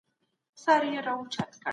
غالۍ په نړیوال بازار کي خرڅیدلې.